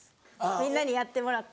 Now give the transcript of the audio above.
みんなにやってもらって。